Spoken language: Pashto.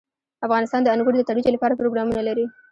افغانستان د انګور د ترویج لپاره پروګرامونه لري.